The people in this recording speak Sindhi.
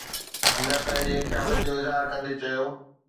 هن پنهنجي خيالن جو اظهار ڪندي چيو